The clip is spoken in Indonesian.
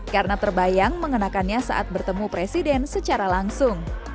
karena terbayang mengenakannya saat bertemu presiden secara langsung